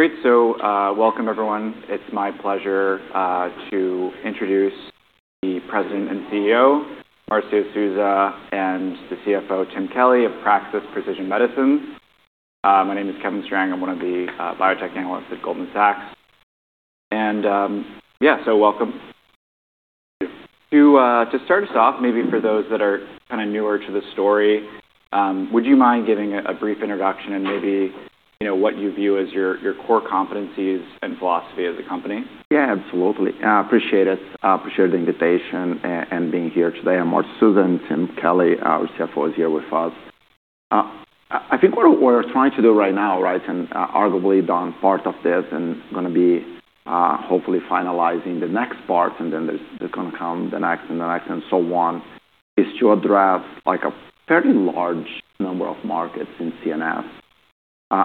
Welcome, everyone. It's my pleasure to introduce the President and CEO, Marcio Souza, and the CFO, Tim Kelly, of Praxis Precision Medicines. My name is Kevin Kuang. I'm one of the biotech analysts at Goldman Sachs. Yeah. Welcome. To start us off, maybe for those that are newer to the story, would you mind giving a brief introduction and maybe what you view as your core competencies and philosophy as a company? Yeah, absolutely. I appreciate it. I appreciate the invitation and being here today. I'm Marcio Souza, Tim Kelly, our CFO, is here with us. I think what we're trying to do right now, arguably done part of this going to be hopefully finalizing the next part, then there's going to come the next and the next and so on, is to address a fairly large number of markets in CNS.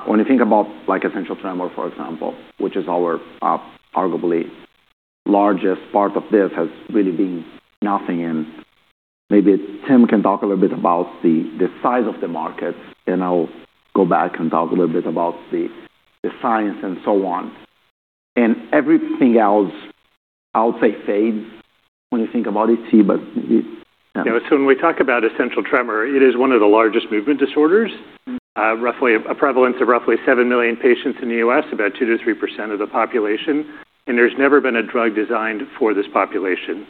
When you think about essential tremor, for example, which is our arguably largest part of this, has really been nothing maybe Tim can talk a little bit about the size of the market. I'll go back and talk a little bit about the science and so on. Everything else, I would say, fades when you think about ET. When we talk about essential tremor, it is one of the largest movement disorders, a prevalence of roughly 7 million patients in the U.S., about 2%-3% of the population. There's never been a drug designed for this population,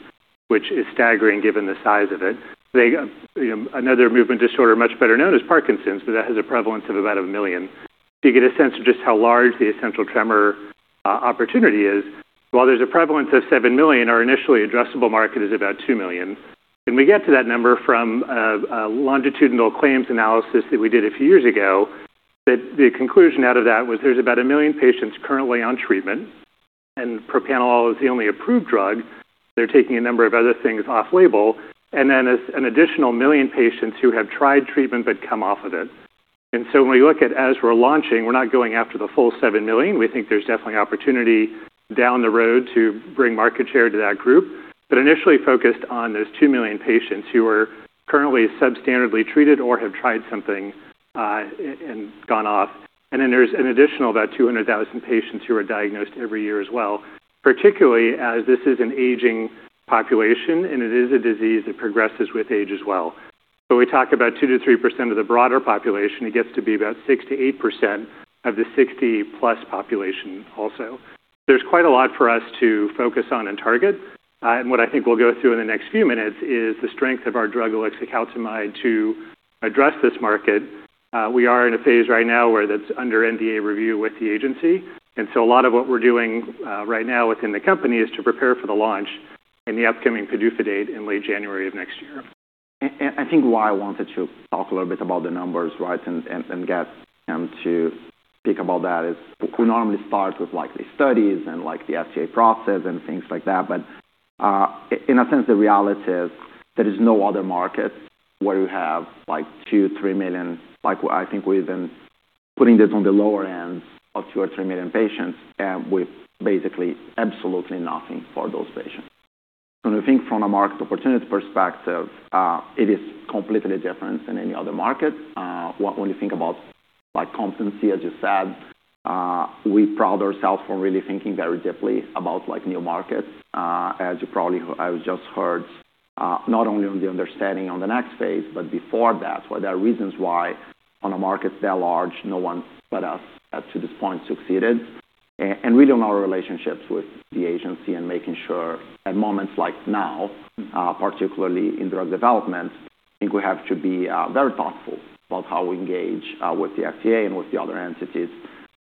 which is staggering given the size of it. Another movement disorder much better known is Parkinson's, that has a prevalence of about 1 million. To get a sense of just how large the essential tremor opportunity is, while there's a prevalence of 7 million, our initially addressable market is about 2 million. We get to that number from a longitudinal claims analysis that we did a few years ago, that the conclusion out of that was there's about 1 million patients currently on treatment, and propranolol is the only approved drug. They're taking a number of other things off-label, then there's an additional 1 million patients who have tried treatment but come off of it. When we look at as we're launching, we're not going after the full 7 million. We think there's definitely opportunity down the road to bring market share to that group. Initially focused on those 2 million patients who are currently sub-standardly treated or have tried something and gone off. Then there's an additional about 200,000 patients who are diagnosed every year as well, particularly as this is an aging population, and it is a disease that progresses with age as well. We talk about 2%-3% of the broader population. It gets to be about 6%-8% of the 60+ population also. There's quite a lot for us to focus on and target. What I think we'll go through in the next few minutes is the strength of our drug, ulixacaltamide, to address this market. We are in a phase right now where that's under NDA review with the agency. A lot of what we're doing right now within the company is to prepare for the launch and the upcoming PDUFA date in late January of next year. I think why I wanted to talk a little bit about the numbers and get Tim to speak about that is we normally start with studies and the FDA process and things like that. In a sense, the reality is there is no other market where you have 2 million, 3 million, I think we've been putting this on the lower end of 2 million or 3 million patients with basically absolutely nothing for those patients. When we think from a market opportunity perspective, it is completely different than any other market. When you think about competency, as you said, we proud ourselves for really thinking very deeply about new markets. As you probably just heard, not only on the understanding on the next phase, but before that. There are reasons why on a market that large, no one but us to this point succeeded. Really on our relationships with the agency and making sure at moments like now, particularly in drug development, I think we have to be very thoughtful about how we engage with the FDA and with the other entities.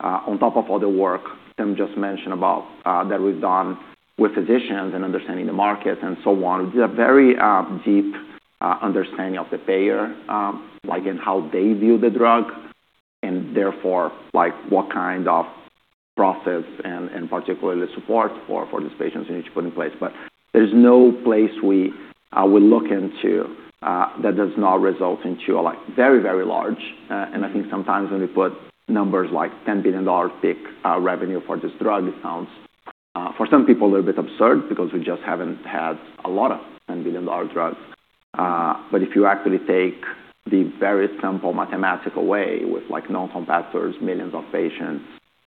On top of all the work Tim just mentioned about that we've done with physicians and understanding the market and so on. We did a very deep understanding of the payer, again, how they view the drug and therefore what kind of process and particularly support for these patients we need to put in place. There's no place we look into that does not result into a very large, and I think sometimes when we put numbers like $10 billion peak revenue for this drug, it sounds for some people a little bit absurd because we just haven't had a lot of $10 billion drugs. If you actually take the very simple mathematical way with known competitors, millions of patients,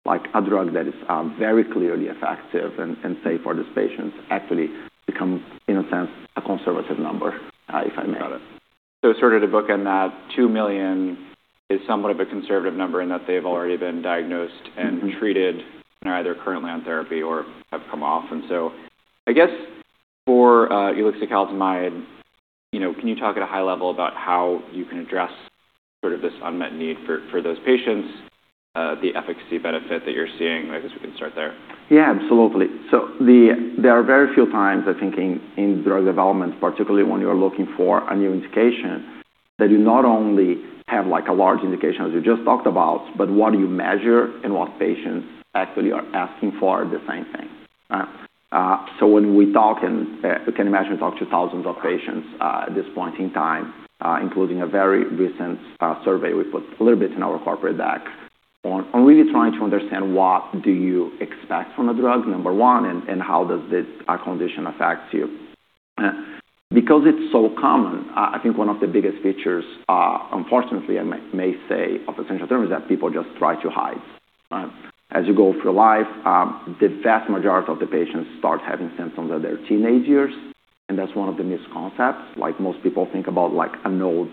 a drug that is very clearly effective and safe for these patients actually becomes, in a sense, a conservative number, if I may. Got it. Sort of to bookend that, 2 million is somewhat of a conservative number in that they've already been diagnosed and treated and are either currently on therapy or have come off. I guess for ulixacaltamide, can you talk at a high level about how you can address sort of this unmet need for those patients, the efficacy benefit that you're seeing? I guess we can start there. Yeah, absolutely. There are very few times, I think, in drug development, particularly when you're looking for a new indication, that you not only have a large indication, as you just talked about, but what you measure and what patients actually are asking for are the same thing. When we talk, and you can imagine we talk to thousands of patients at this point in time, including a very recent survey we put a little bit in our corporate deck on really trying to understand what do you expect from a drug, number one, and how does this condition affect you? It's so common, I think one of the biggest features, unfortunately, I may say, of essential tremor is that people just try to hide. As you go through life, the vast majority of the patients start having symptoms in their teenage years, and that's one of the misconceptions. Most people think about an old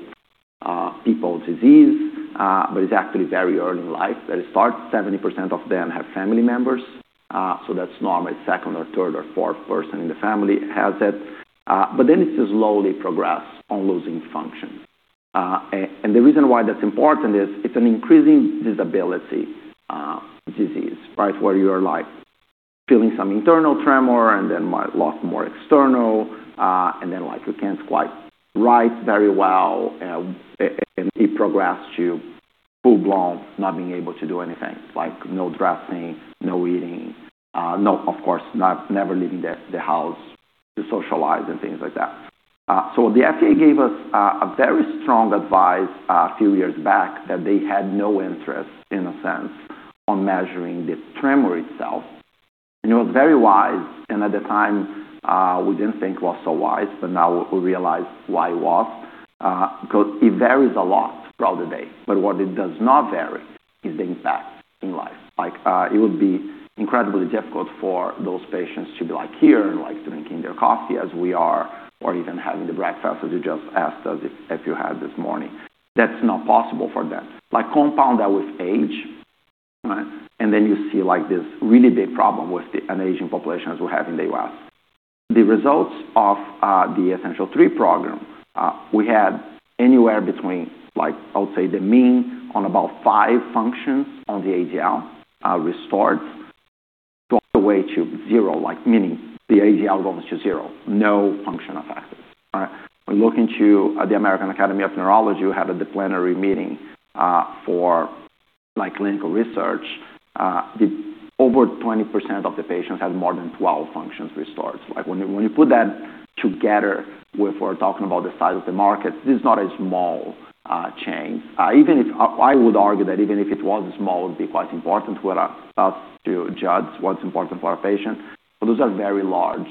people disease, but it's actually very early in life that it starts. 70% of them have family members, that's normally the second or third or fourth person in the family has it. It slowly progresses on losing function. The reason why that's important is it's an increasing disability disease, where you're feeling some internal tremor and then a lot more external, and then you can't quite write very well. It progresses to full-blown not being able to do anything, like no dressing, no eating, of course, never leaving the house to socialize and things like that. The FDA gave us a very strong advice a few years back that they had no interest, in a sense, in measuring the tremor itself. It was very wise, and at the time, we didn't think it was so wise, but now we realize why it was, because it varies a lot throughout the day. What it does not vary is the impact on life. It would be incredibly difficult for those patients to be here and drinking their coffee as we are, or even having the breakfast as you just asked us if we had this morning. That's not possible for them. Compound that with age, and then you see this really big problem with an aging population as we have in the U.S. The results of the Essential3 program, we had anywhere between, I would say, the mean on about five functions on the ADL restored, dropped away to zero, meaning the ADL goes to zero. No function affected. Looking to the American Academy of Neurology, we had a plenary meeting for clinical research. Over 20% of the patients had more than 12 functions restored. When you put that together with we're talking about the size of the market, this is not a small change. I would argue that even if it was small, it'd be quite important for us to judge what's important for our patient. Those are very large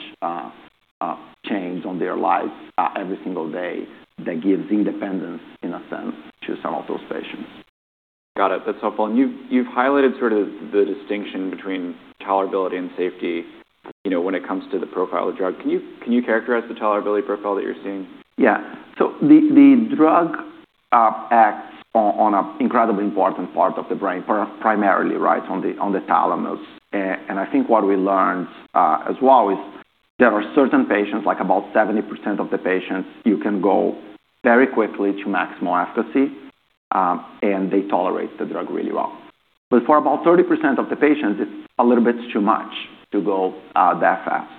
changes in their lives every single day that gives independence in a sense to some of those patients. Got it. That's helpful. You've highlighted sort of the distinction between tolerability and safety when it comes to the profile of the drug. Can you characterize the tolerability profile that you're seeing? Yeah. The drug acts on an incredibly important part of the brain, primarily on the thalamus. I think what we learned as well is there are certain patients, like about 70% of the patients, you can go very quickly to maximal efficacy, and they tolerate the drug really well. For about 30% of the patients, it's a little bit too much to go that fast.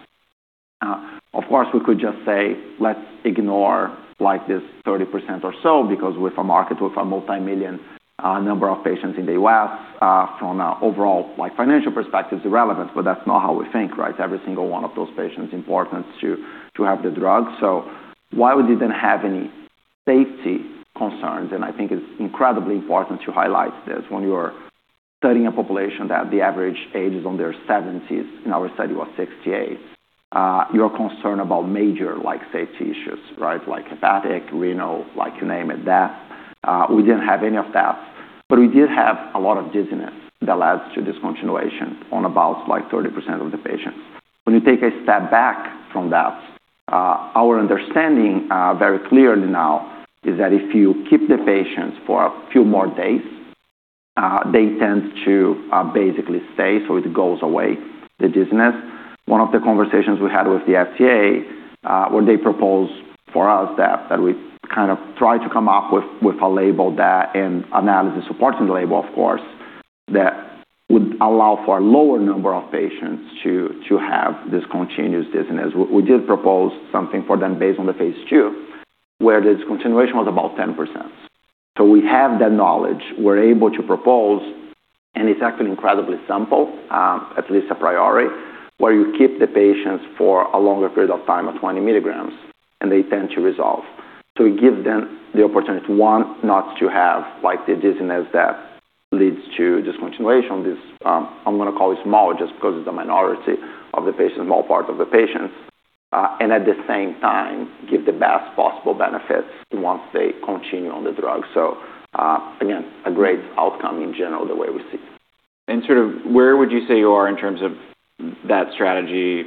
Of course, we could just say, let's ignore this 30% or so because with a market with a multi-million number of patients in the U.S., from an overall financial perspective, it's irrelevant, but that's not how we think. Every single one of those patients is important to have the drug. Why would you then have any safety concerns? I think it's incredibly important to highlight this. When you are studying a population that the average age is in their 70s, in our study it was 68, you're concerned about major safety issues. Like hepatic, renal, you name it, that. We didn't have any of that, but we did have a lot of dizziness that led to discontinuation on about 30% of the patients. When you take a step back from that, our understanding very clearly now is that if you keep the patients for a few more days, they tend to basically stay, so it goes away, the dizziness. One of the conversations we had with the FDA, where they proposed for us that we try to come up with a label that, and analysis supporting the label, of course, that would allow for a lower number of patients to have this continuous dizziness. We did propose something for them based on the phase II, where the discontinuation was about 10%. We have that knowledge. We're able to propose, and it's actually incredibly simple, at least a priority, where you keep the patients for a longer period of time at 20 mg, and they tend to resolve. We give them the opportunity to, one, not to have the dizziness that leads to discontinuation of this, I'm going to call it small just because it's a minority of the patients, a small part of the patients. At the same time, give the best possible benefits once they continue on the drug. Again, a great outcome in general the way we see. Where would you say you are in terms of that strategy,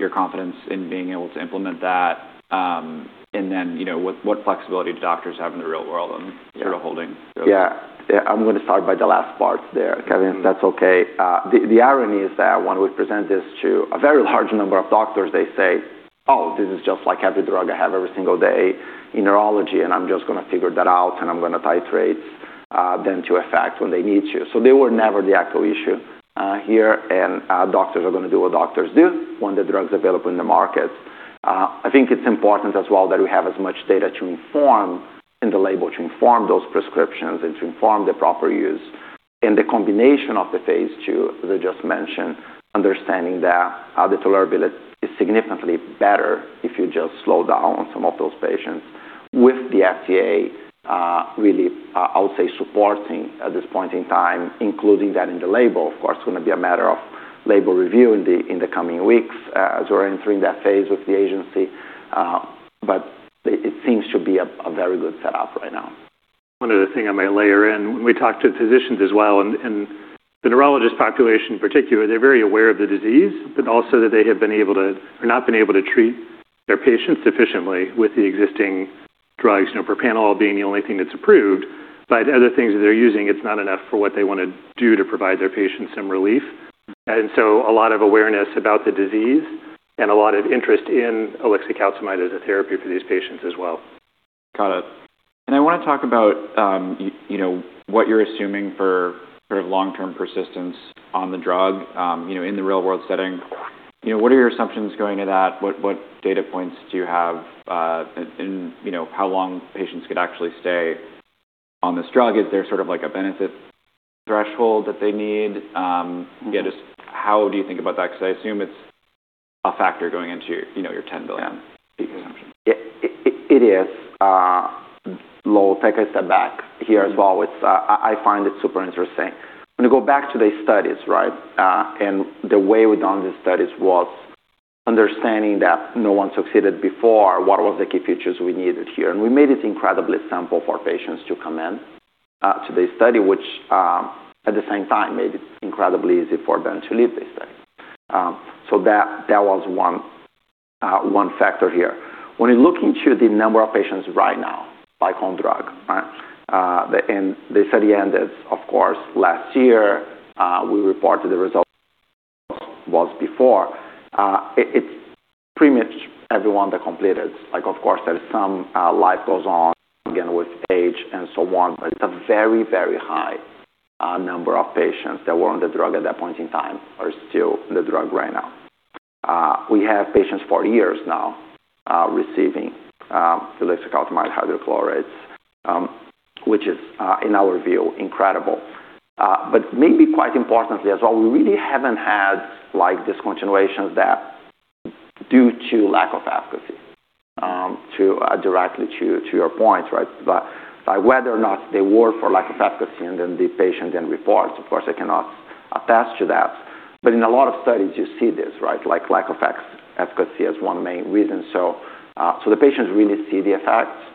your confidence in being able to implement that, and then what flexibility do doctors have in the real world and sort of holding? Yeah. I'm going to start by the last part there, Kevin, if that's okay. The irony is that when we present this to a very large number of doctors, they say, Oh, this is just like every drug I have every single day in neurology, and I'm just going to figure that out, and I'm going to titrate them to effect when they need to. They were never the actual issue here, and doctors are going to do what doctors do when the drug's available in the market. I think it's important as well that we have as much data to inform in the label, to inform those prescriptions, and to inform the proper use. The combination of the phase II, as I just mentioned, understanding that the tolerability is significantly better if you just slow down some of those patients With the FDA, really, I'll say supporting at this point in time, including that in the label. Of course, it's going to be a matter of label review in the coming weeks as we're entering that phase with the agency. It seems to be a very good setup right now. One other thing I might layer in, when we talk to physicians as well, and the neurologist population in particular, they're very aware of the disease, but also that they have not been able to treat their patients efficiently with the existing drugs, propranolol being the only thing that's approved. Other things that they're using, it's not enough for what they want to do to provide their patients some relief. A lot of awareness about the disease and a lot of interest in ulixacaltamide as a therapy for these patients as well. Got it. I want to talk about what you're assuming for sort of long-term persistence on the drug in the real-world setting. What are your assumptions going to that? What data points do you have in how long patients could actually stay on this drug? Is there sort of like a benefit threshold that they need? Just how do you think about that? I assume it's a factor going into your $10 billion peak assumption. It is. Lowell, take a step back here as well. I find it super interesting. When you go back to the studies, right? The way we've done the studies was understanding that no one succeeded before. What was the key features we needed here? We made it incredibly simple for patients to come in to the study, which at the same time, made it incredibly easy for them to leave the study. That was one factor here. When you look into the number of patients right now, like on drug. The study ended, of course, last year. We reported the results was before. It's pretty much everyone that completed. Of course, there is some life goes on, again, with age and so on, it's a very high number of patients that were on the drug at that point in time are still on the drug right now. We have patients for years now receiving ulixacaltamide hydrochloride, which is, in our view, incredible. Maybe quite importantly as well, we really haven't had discontinuations that due to lack of efficacy, directly to your point. By whether or not they were for lack of efficacy and then the patient then reports, of course, I cannot attest to that. In a lot of studies you see this, right? Like lack of efficacy as one main reason. The patients really see the effects.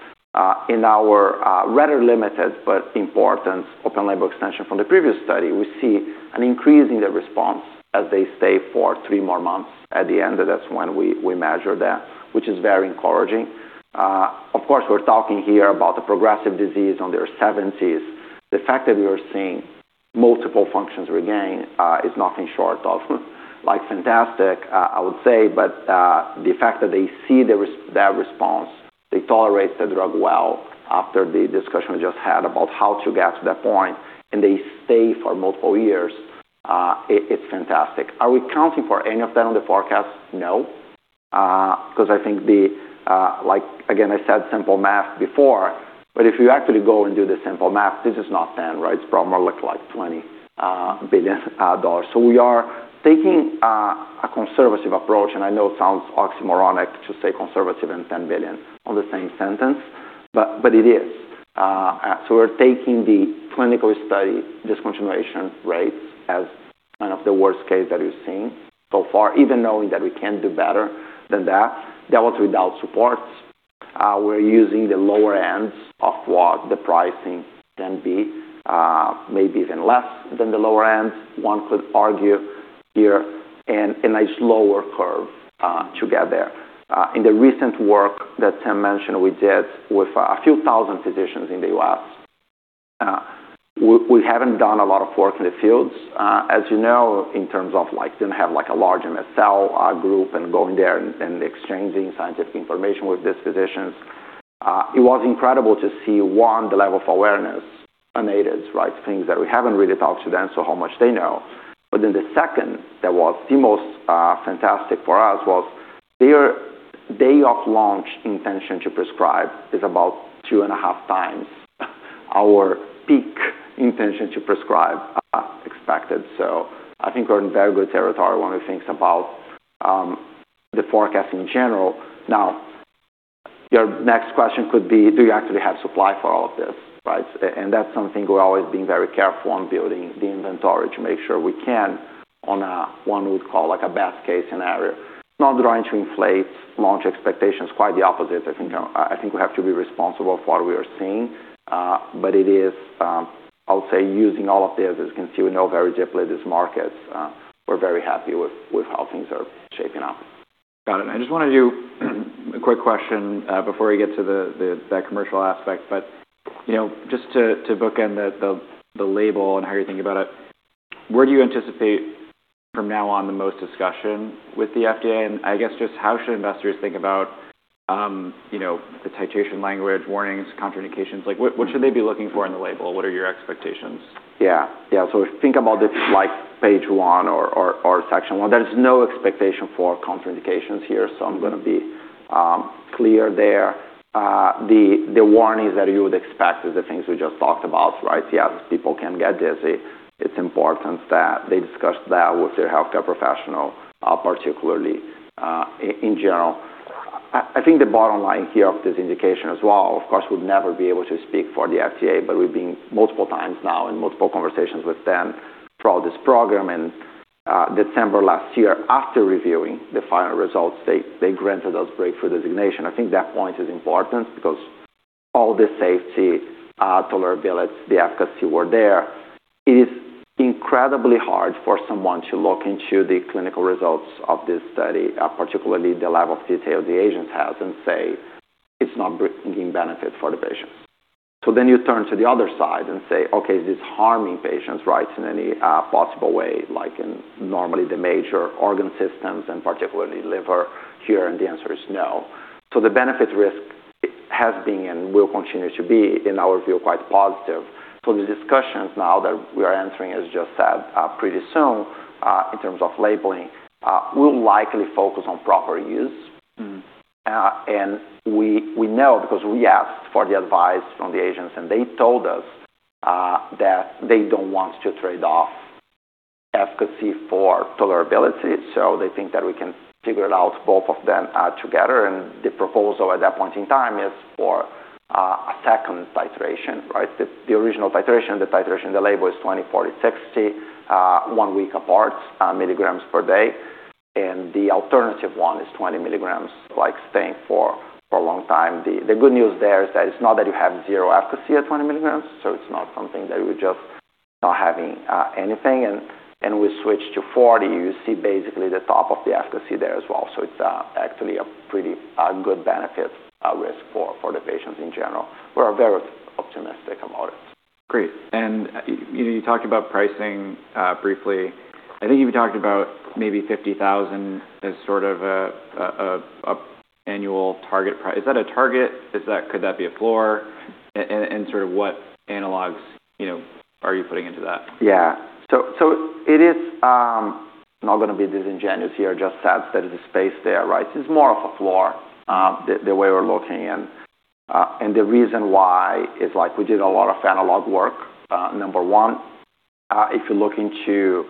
In our rather limited but important open-label extension from the previous study, we see an increase in the response as they stay for three more months at the end, and that is when we measure that, which is very encouraging. Of course, we are talking here about the progressive disease on their 70s. The fact that we are seeing multiple functions regained is nothing short of fantastic, I would say. The fact that they see that response, they tolerate the drug well after the discussion we just had about how to get to that point, and they stay for multiple years, it is fantastic. Are we counting for any of that on the forecast? No. Because I think again, I said simple math before, but if you actually go and do the simple math, this is not 10, right? It is probably more like $20 billion. We are taking a conservative approach, and I know it sounds oxymoronic to say conservative and $10 billion on the same sentence, but it is. We are taking the clinical study discontinuation rates as kind of the worst case that we have seen so far, even knowing that we can do better than that. That was without supports. We are using the lower ends of what the pricing can be, maybe even less than the lower end, one could argue here, and a nice lower curve to get there. In the recent work that Tim mentioned we did with a few thousand physicians in the U.S., we haven't done a lot of work in the fields. As you know, in terms of didn't have a large MSL group and going there and exchanging scientific information with these physicians. It was incredible to see, one, the level of awareness on ADEs. Things that we haven't really talked to them, so how much they know. The second that was the most fantastic for us was their day of launch intention to prescribe is about 2.5x our peak intention to prescribe expected. I think we are in very good territory when we think about the forecast in general. Now, your next question could be, do you actually have supply for all of this, right? That is something we are always being very careful on building the inventory to make sure we can on a one we would call like a best case scenario. Not trying to inflate launch expectations, quite the opposite. I think we have to be responsible for what we are seeing. It is, I will say, using all of this, as you can see, we know very deeply these markets. We are very happy with how things are shaping up. Got it. I just want to do a quick question before we get to that commercial aspect. Just to bookend the label and how you're thinking about it, where do you anticipate from now on the most discussion with the FDA? I guess just how should investors think about the titration language, warnings, contraindications? What should they be looking for in the label? What are your expectations? Yeah. Think about it like page one or section one. There is no expectation for contraindications here, so I'm going to be clear there. The warnings that you would expect is the things we just talked about. Yes, people can get dizzy. It's important that they discuss that with their healthcare professional, particularly in general. I think the bottom line here of this indication as well, of course, we'll never be able to speak for the FDA. We've been multiple times now in multiple conversations with them throughout this program. December last year, after reviewing the final results, they granted us breakthrough designation. I think that point is important because all the safety, tolerability, the efficacy were there. It is incredibly hard for someone to look into the clinical results of this study, particularly the level of detail the agents have, and say it's not bringing benefit for the patients. You turn to the other side and say, okay, is this harming patients in any possible way? Like in normally the major organ systems and particularly liver here. The answer is no. The benefit risk has been and will continue to be, in our view, quite positive. The discussions now that we are entering, as just said, pretty soon, in terms of labeling, will likely focus on proper use. We know because we asked for the advice from the agents, they told us that they don't want to trade off efficacy for tolerability. They think that we can figure out both of them together, and the proposal at that point in time is for a second titration, right? The original titration, the titration, the label is 20 mg, 40 mg, 60 mg, one week apart, milligrams per day, and the alternative one is 20 mg, like staying for a long time. The good news there is that it's not that you have zero efficacy at 20 mg, it's not something that you're just not having anything. We switch to 40 mg, you see basically the top of the efficacy there as well. It's actually a pretty good benefit risk for the patients in general. We're very optimistic about it. Great. You talked about pricing briefly. I think you even talked about maybe $50,000 as sort of an annual target price. Is that a target? Could that be a floor? Sort of what analogs are you putting into that? Yeah. Not going to be disingenuous here, just said there is a space there, right? It's more of a floor, the way we're looking. The reason why is we did a lot of analog work. Number one, if you look into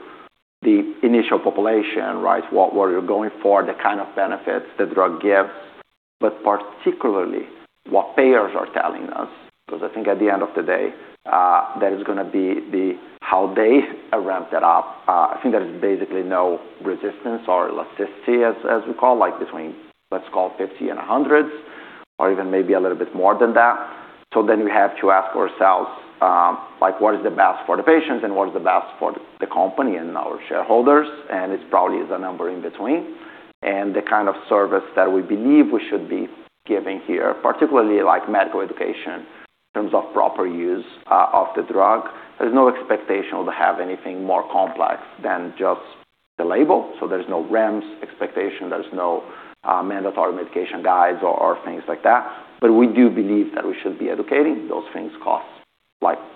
the initial population, right, what we're going for, the kind of benefits the drug gives, but particularly what payers are telling us, because I think at the end of the day, that is going to be how they ramp that up. I think there is basically no resistance or as we call, between, let's call it $50 and $100 or even maybe a little bit more than that. We have to ask ourselves what is the best for the patients and what is the best for the company and our shareholders. It probably is a number in between. The kind of service that we believe we should be giving here, particularly medical education in terms of proper use of the drug. There's no expectation we'll have anything more complex than just the label. There's no REMS expectation, there's no mandatory medication guides or things like that. We do believe that we should be educating. Those things cost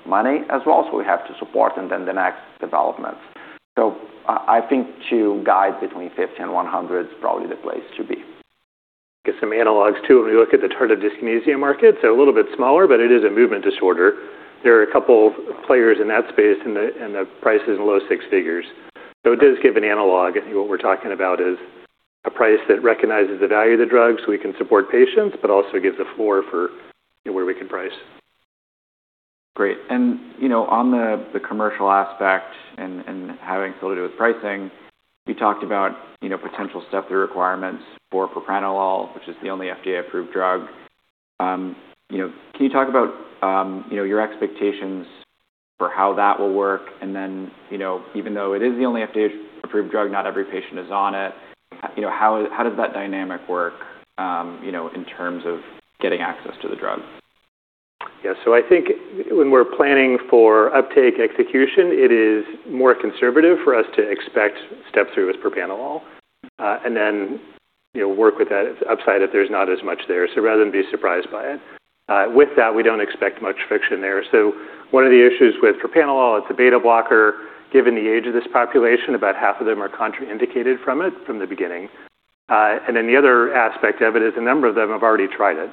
money as well. We have to support and then the next developments. I think to guide between $50 and $100 is probably the place to be. Get some analogs too when we look at the tardive dyskinesia market. A little bit smaller, but it is a movement disorder. There are a couple players in that space. The price is low six figures. It does give an analog, and what we're talking about is a price that recognizes the value of the drug so we can support patients, but also gives a floor for where we can price. Great. On the commercial aspect and having facility with pricing, you talked about potential step-through requirements for propranolol, which is the only FDA-approved drug. Can you talk about your expectations for how that will work? Even though it is the only FDA-approved drug, not every patient is on it. How does that dynamic work in terms of getting access to the drug? I think when we're planning for uptake execution, it is more conservative for us to expect step-through as propranolol, work with that upside if there's not as much there. Rather than be surprised by it. With that, we don't expect much friction there. One of the issues with propranolol, it's a beta blocker. Given the age of this population, about half of them are contraindicated from it from the beginning. The other aspect of it is a number of them have already tried it.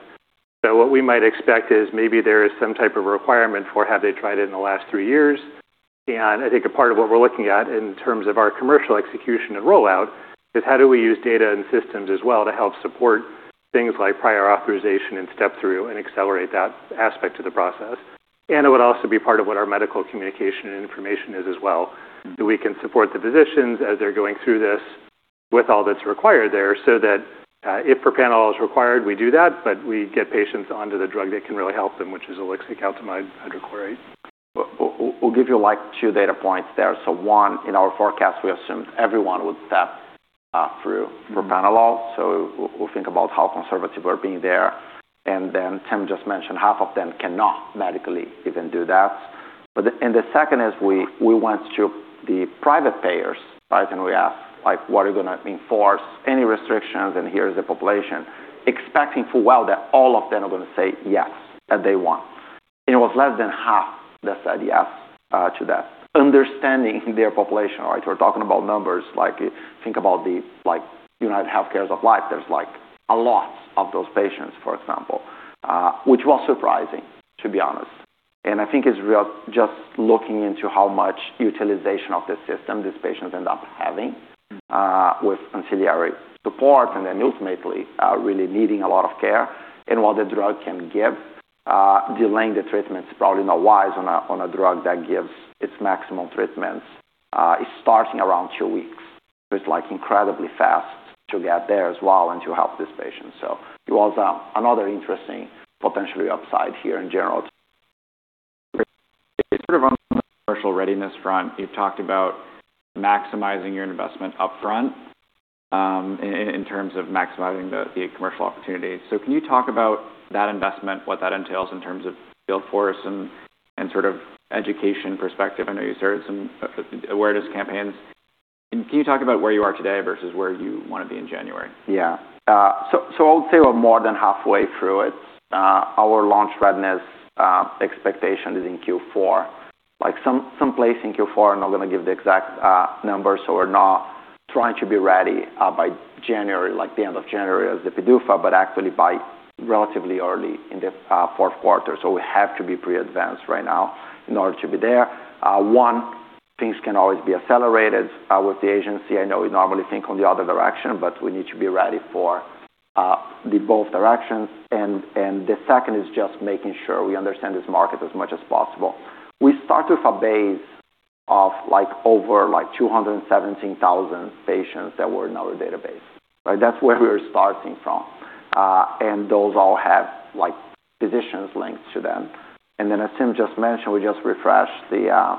What we might expect is maybe there is some type of requirement for have they tried it in the last three years. I think a part of what we're looking at in terms of our commercial execution and rollout is how do we use data and systems as well to help support things like prior authorization and step-through and accelerate that aspect of the process. It would also be part of what our medical communication and information is as well. That we can support the physicians as they're going through this with all that's required there so that if propranolol is required, we do that, but we get patients onto the drug that can really help them, which is ulixacaltamide hydrochloride. We'll give you two data points there. One, in our forecast, we assumed everyone would step through propranolol. We'll think about how conservative we're being there. Tim just mentioned half of them cannot medically even do that. The second is we went to the private payers. We asked, what are you going to enforce? Any restrictions? Here is the population expecting full well that all of them are going to say yes, that they want. It was less than half that said yes to that. Understanding their population, right? We're talking about numbers like think about the UnitedHealthcare's of life. There's a lot of those patients, for example, which was surprising, to be honest. I think it's real just looking into how much utilization of the system these patients end up having with ancillary support and then ultimately really needing a lot of care. While the drug can give, delaying the treatment is probably not wise on a drug that gives its maximum treatments starting around two weeks. It's incredibly fast to get there as well and to help this patient. It was another interesting potential upside here in general. Sort of on the commercial readiness front, you've talked about maximizing your investment upfront in terms of maximizing the commercial opportunity. Can you talk about that investment, what that entails in terms of field force and sort of education perspective? I know you started some awareness campaigns. Can you talk about where you are today versus where you want to be in January? Yeah. I would say we're more than halfway through it. Our launch readiness expectation is in Q4. Some place in Q4. I'm not going to give the exact numbers. We're not trying to be ready by January, like the end of January as the PDUFA, but actually by relatively early in the fourth quarter. We have to be pretty advanced right now in order to be there. One, things can always be accelerated with the agency. I know we normally think on the other direction, but we need to be ready for the both directions. The second is just making sure we understand this market as much as possible. We start with a base of over 217,000 patients that were in our database. That's where we are starting from. Those all have physicians linked to them. Then as Tim just mentioned, we just refreshed the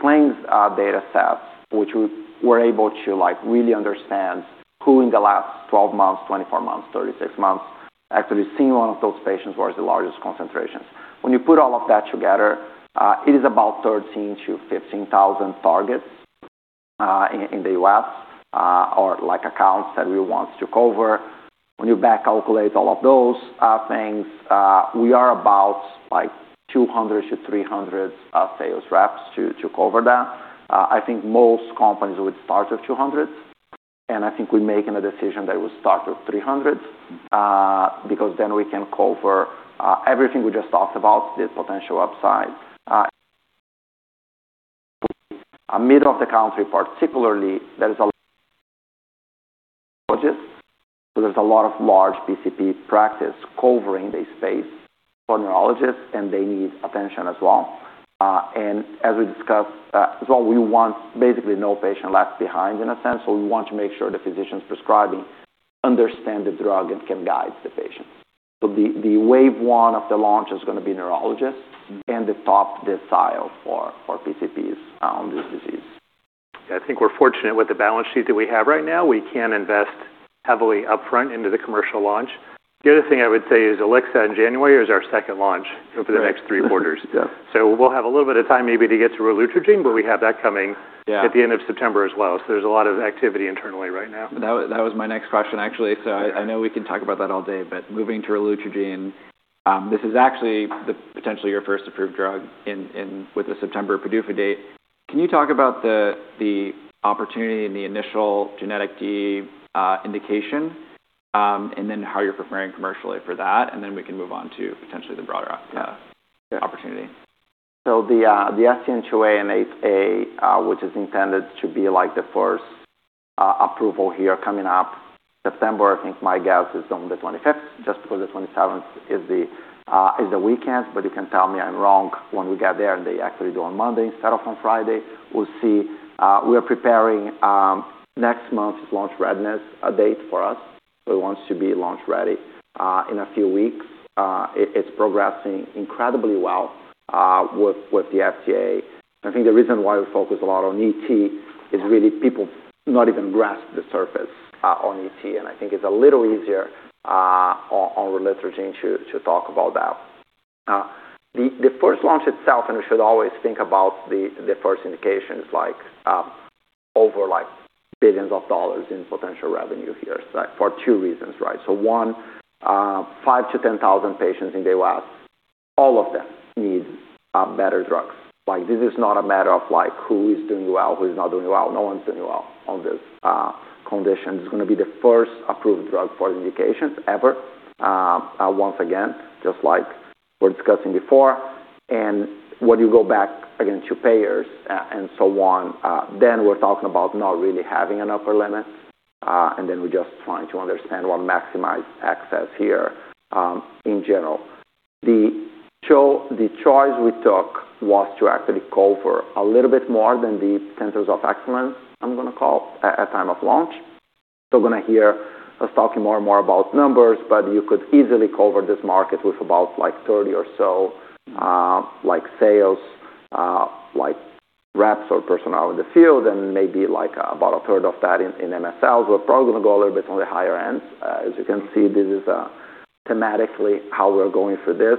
claims data sets, which we were able to really understand who in the last 12 months, 24 months, 36 months, actually seen one of those patients where is the largest concentration. When you put all of that together, it is about 13,000-15,000 targets in the U.S., or accounts that we want to cover. When you back calculate all of those things, we are about 200-300 sales reps to cover that. I think most companies would start with 200, I think we're making a decision that we'll start with 300, because we can cover everything we just talked about, the potential upside. A middle of the country particularly, there's a lot of large PCP practice covering the space for neurologists, They need attention as well. As we discussed as well, we want basically no patient left behind in a sense, so we want to make sure the physicians prescribing understand the drug and can guide the patient. The wave one of the launch is going to be neurologists and the top decile for PCPs on this disease. I think we're fortunate with the balance sheet that we have right now. We can invest heavily upfront into the commercial launch. The other thing I would say is relutrigine in January is our second launch over the next three quarters. Yeah. We'll have a little bit of time maybe to get through relutrigine, but we have that at the end of September as well. There's a lot of activity internally right now. That was my next question, actually. I know we can talk about that all day, but moving to relutrigine, this is actually potentially your first approved drug with a September PDUFA date. Can you talk about the opportunity and the initial genetic DEE indication, and then how you're preparing commercially for that, and then we can move on to potentially the broader opportunity. The SCN2A and SCN8A, which is intended to be the first approval here coming up September, I think my guess is on the 25th, just because the 27th is the weekend, but you can tell me I'm wrong when we get there and they actually do on Monday instead of on Friday. We'll see. We are preparing next month's launch readiness date for us. It wants to be launch ready in a few weeks. It's progressing incredibly well with the FDA. I think the reason why we focus a lot on ET is really people not even grasp the surface on ET, and I think it's a little easier on relutrigine to talk about that. The first launch itself, we should always think about the first indications over billions of dollars in potential revenue here for two reasons. One, 5,000 to 10,000 patients in the U.S., all of them need better drugs. This is not a matter of who is doing well, who is not doing well. No one's doing well on this condition. It's going to be the first approved drug for indications ever. Once again, just like we're discussing before, when you go back again to payers and so on, we're talking about not really having an upper limit, we're just trying to understand or maximize access here in general. The choice we took was to actually call for a little bit more than the centers of excellence, I'm going to call, at time of launch. We're going to hear us talking more and more about numbers, but you could easily cover this market with about 30 or so sales reps or personnel in the field and maybe about a third of that in MSLs. We're probably going to go a little bit on the higher end. As you can see, this is thematically how we're going for this.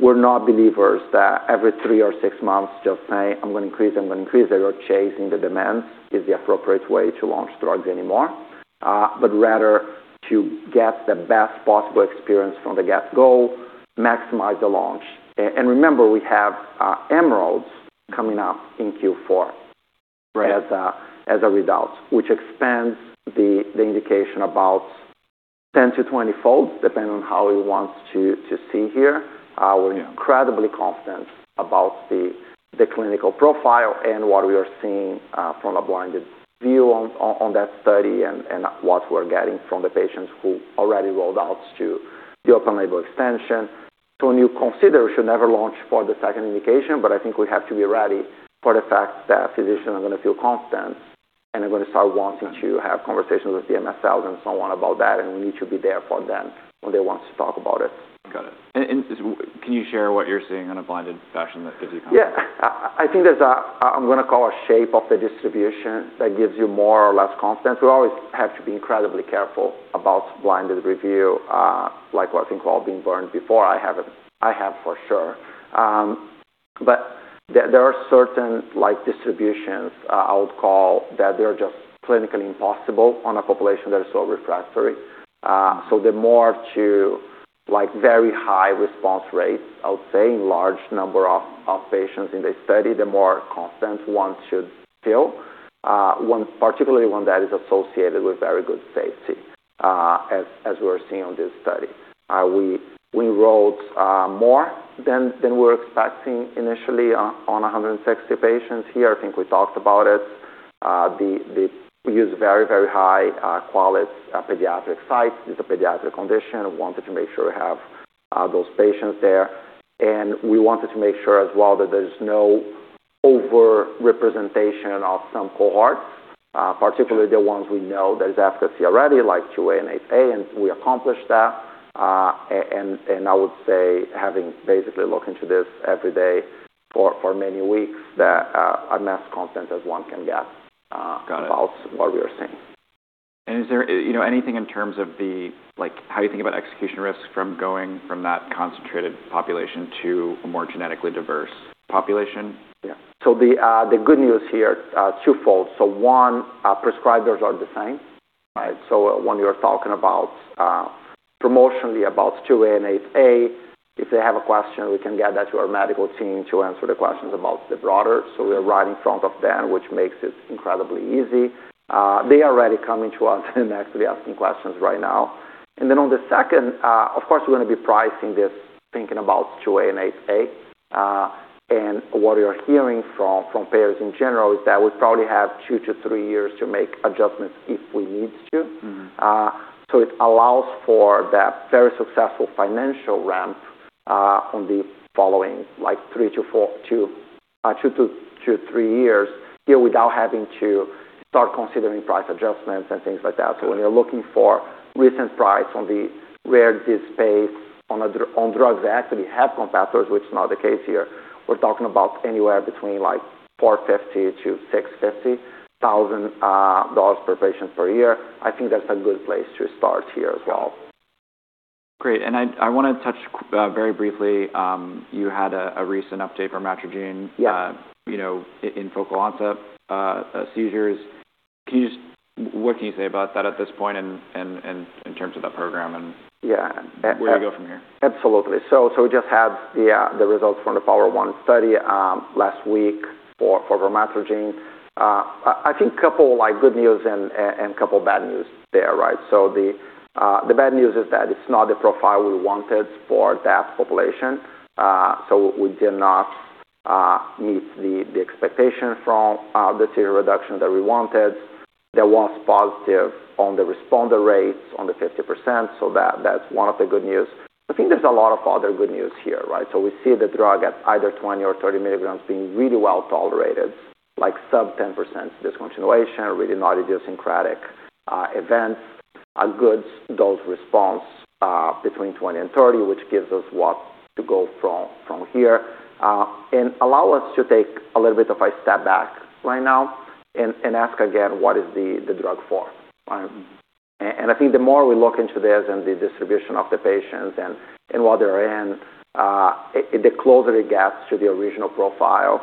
We're not believers that every three or six months just say, I'm going to increase, I'm going to increase, that you're chasing the demand is the appropriate way to launch drugs anymore. Rather to get the best possible experience from the get go, maximize the launch. Remember, we have EMERALD coming up in Q4 as a result, which expands the indication about 10 to 20 folds, depending on how we want to see here. We're incredibly confident about the clinical profile and what we are seeing from a blinded view on that study and what we're getting from the patients who already rolled out to the open-label extension. When you consider we should never launch for the second indication. I think we have to be ready for the fact that physicians are going to feel confident and are going to start wanting to have conversations with CMS so on, about that, we need to be there for them when they want to talk about it. Got it. Can you share what you're seeing in a blinded fashion that gives you confidence? Yeah. I think there's I'm going to call a shape of the distribution that gives you more or less confidence. We always have to be incredibly careful about blinded review. Like I think we've all been burned before. I have for sure. There are certain distributions I would call that they're just clinically impossible on a population that is so refractory. The more to very high response rates, I would say in large number of patients in the study, the more confidence one should feel. Particularly one that is associated with very good safety, as we are seeing on this study. We enrolled more than we were expecting initially on 160 patients here. I think we talked about it. We use very, very high-quality pediatric sites. It's a pediatric condition, we wanted to make sure we have those patients there. We wanted to make sure as well that there's no over-representation of some cohorts, particularly the ones we know there is efficacy already, like SCN2A and SCN8A, and we accomplished that. I would say, having basically looked into this every day for many weeks, that I'm as confident as one can get. Got it. About what we are seeing. Is there anything in terms of how you think about execution risks from going from that concentrated population to a more genetically diverse population? Yeah. The good news here, twofold. One, prescribers are the same. When we are talking about promotionally about SCN2A and SCN8A, if they have a question, we can get that to our medical team to answer the questions about the broader. We are right in front of them, which makes it incredibly easy. They are already coming to us and actually asking questions right now. Then on the second, of course, we're going to be pricing this, thinking about SCN2A and SCN8A. What we are hearing from payers in general is that we probably have two to three years to make adjustments if we need to. It allows for that very successful financial ramp on the following, three to four to two to three years, here without having to start considering price adjustments and things like that. When you're looking for recent price on the rarity space on drugs that actually have competitors, which is not the case here, we're talking about anywhere between $450,000-$650,000 per patient per year. I think that's a good place to start here as well. Great. I want to touch very briefly, you had a recent update for vormatrigine in focal onset seizures. What can you say about that at this point in terms of that program and where do you go from here? Absolutely. We just had the results from the POWER1 study last week for vormatrigine. I think couple good news and couple bad news there. The bad news is that it's not the profile we wanted for that population. We did not meet the expectation from the seizure reduction that we wanted. There was positive on the responder rates on the 50%, that's one of the good news. I think there's a lot of other good news here. We see the drug at either 20 mg or 30 mg being really well-tolerated, sub 10% discontinuation, really no idiosyncratic events. A good dose response between 20 mg and 30 mg, which gives us what to go from here. Allow us to take a little bit of a step back right now and ask again, what is the drug for? I think the more we look into this and the distribution of the patients and where they're in, the closer it gets to the original profile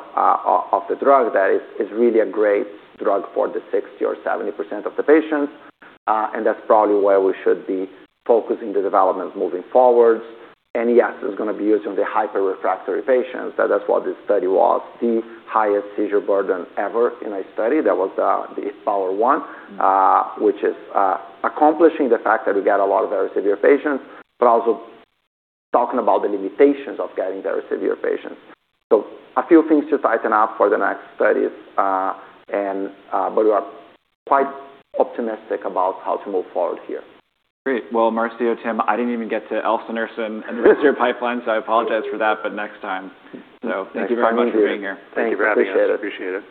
of the drug that is really a great drug for the 60% or 70% of the patients. That's probably where we should be focusing the development moving forward. Yes, it's going to be used on the hyper-refractory patients. That's what this study was, the highest seizure burden ever in a study. That was the POWER1. Which is accomplishing the fact that we get a lot of very severe patients, but also talking about the limitations of getting very severe patients. A few things to tighten up for the next studies, but we are quite optimistic about how to move forward here. Great. Well, Marcio, Tim, I didn't even get to elsunersen and the rest of your pipeline, I apologize for that, but next time. Thank you very much for being here. Thanks for having us. Appreciate it.